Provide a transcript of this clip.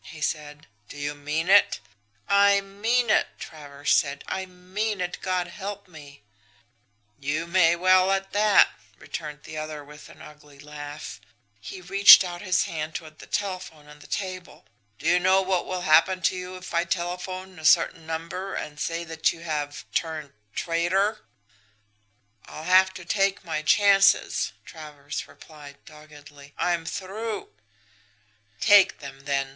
he said. 'Do you mean it?' "'I mean it,' Travers said. 'I mean it God help me!' "'You may well add that!' returned the other, with an ugly laugh. He reached out his hand toward the telephone on the table. 'Do you know what will happen to you if I telephone a certain number and say that you have turned traitor?' "'I'll have to take my chances,' Travers replied doggedly. 'I'm through!' "'Take them, then!'